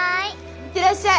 行ってらっしゃい！